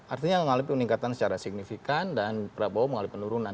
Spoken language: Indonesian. artinya mengalami peningkatan secara signifikan dan prabowo mengalami penurunan